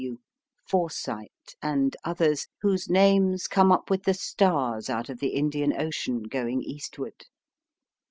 T.W., * Foresight, and others, whose names come up with the stars out of the Indian Ocean going eastward.